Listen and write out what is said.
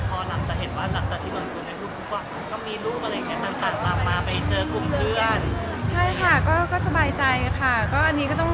พอนำจะเห็นว่าอาจารย์จะที่บรรคุณ